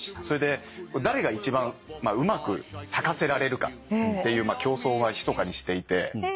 それで誰が一番うまく咲かせられるかっていう競争をひそかにしていて。